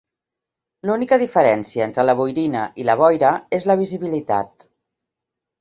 L'única diferència entre la boirina i la boira és la visibilitat.